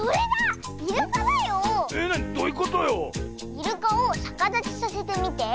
イルカをさかだちさせてみて。